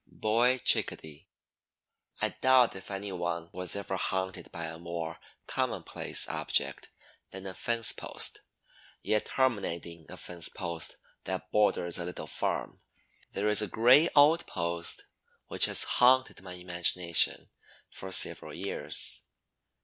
BOY CHICKADEE. I doubt if any one was ever haunted by a more commonplace object than a fence post; yet, terminating a fence that borders a little farm, there is a gray old post which has haunted my imagination for several years.